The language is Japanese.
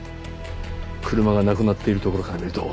車がなくなっているところからみると。